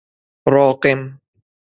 راقم